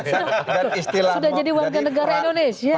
dan istilah menjadi warga negara indonesia